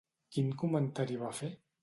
Quin comentari va fer?